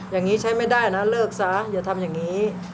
อย่างนี้ใช้ไม่ได้นะเลิกซะอย่าทำอย่างนี้